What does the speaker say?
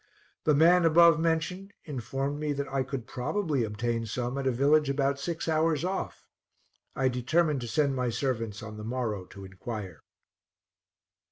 The man above mentioned informed me that I could probably obtain some at a village about six hours off. I determined to send my servants on the morrow to inquire.